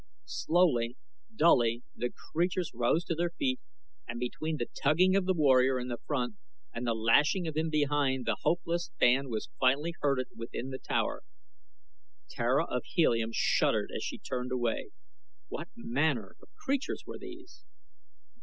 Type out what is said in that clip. Slowly, dully, the creatures rose to their feet and between the tugging of the warrior in front and the lashing of him behind the hopeless band was finally herded within the tower. Tara of Helium shuddered as she turned away. What manner of creatures were these?